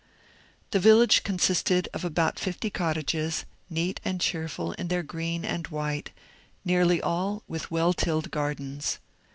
The village consisted of about fifty cottages, neat and cheer ful in their green and white, nearly all with well tilled gar dens.